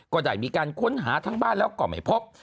ก็ได้มีการค้นหาทั้งบ้านแล้วก็ไม่พบ